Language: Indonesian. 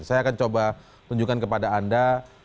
saya akan coba tunjukkan kepada anda